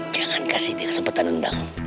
jangan kasih dia kesempatan endang